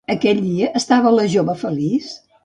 Aquell dia estava la jove feliç?